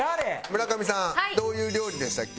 村上さんどういう料理でしたっけ？